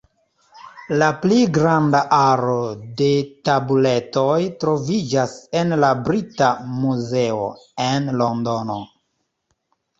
La pli granda aro de tabuletoj troviĝas en la Brita Muzeo, en Londono.